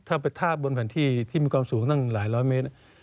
ถ้าไปทาบบนแผ่นที่ที่มีความสูงตั้งหลายร้อยเมตร